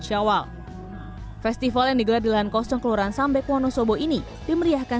shawwal festival yang digelar di lankosong kelurahan sambek wonosobo ini dimeriahkan